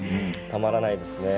たまらないですね。